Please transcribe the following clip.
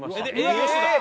営業してたの？